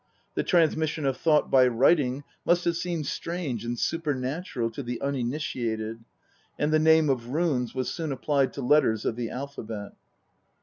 The transmission of thought by writing must have seemed strange and supernatural to the uninitiated, and the name of runes was soon applied to letters of the alphabet.